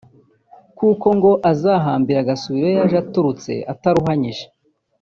kuko ngo azahambira agasubira iyo yaje aturutse ataruhanyije